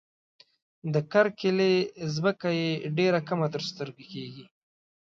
د کرکيلې ځمکه یې ډېره کمه تر سترګو کيږي.